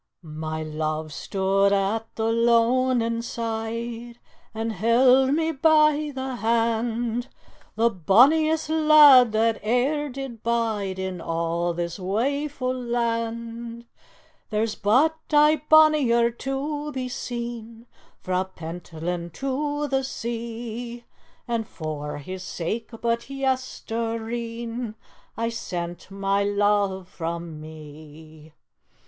"My love stood at the loanin' side And held me by the hand, The bonniest lad that e'er did bide In a' this waefu' land; There's but ae bonnier to be seen Frae Pentland to the sea, And for his sake but yestereen I sent my love frae me.